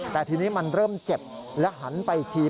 แต่ทีนี้มันเริ่มเจ็บและหันไปอีกที